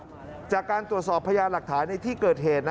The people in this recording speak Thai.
ตอนนั้นอนแรกตาหลักฐานที่เกิดเหตุ